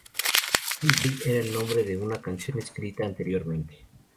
Green Day era el nombre de una canción escrita anteriormente.